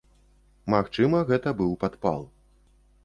Магчыма, гэта быў падпал.